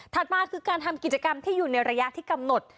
มาคือการทำกิจกรรมที่อยู่ในระยะที่กำหนด